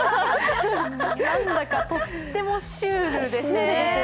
何だかとってもシュールですね。